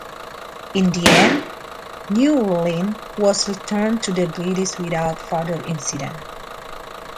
In the end "Newlyn" was returned to the British without further incident.